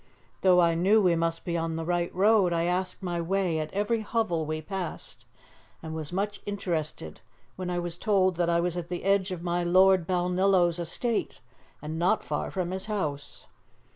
Though I knew we must be on the right road, I asked my way at every hovel we passed, and was much interested when I was told that I was at the edge of my Lord Balnillo's estate, and not far from his house.